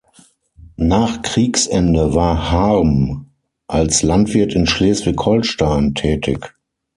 Nach Kriegsende war Harm als Landwirt in Schleswig-Holstein tätig.